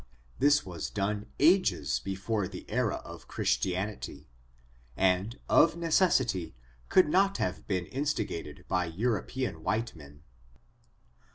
This was done ages before the era of Christianity, and, of necessity, could not have been instigated by European white men.